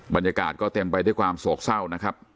บรรยากาศก็เต็มไปด้วยความโศกเศร้านะครับ